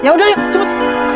ya udah yuk cepet